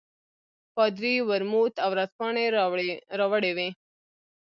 پادري ورموت او ورځپاڼې راوړې وې.